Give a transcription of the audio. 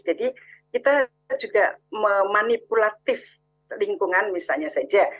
jadi kita juga memanipulatif lingkungan misalnya saja